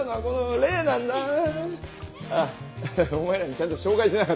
あっお前らにちゃんと紹介してなかったね。